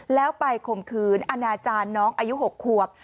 แล้วไปข่มขืนอนาจารย์น้องอายุ๖ขวบ